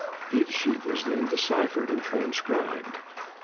Each sheet was then deciphered and transcribed.